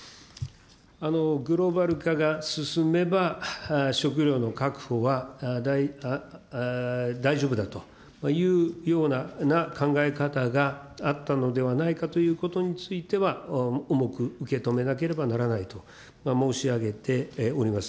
グローバル化が進めば、食料の確保は大丈夫だというような考え方があったのではないかということについては、重く受け止めなければならないと申し上げております。